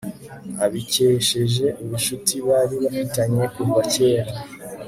abikesheje ubucuti bari bafitanye kuva kera